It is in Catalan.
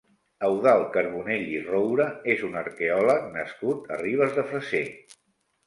Eudald Carbonell i Roura és un arqueòleg nascut a Ribes de Freser.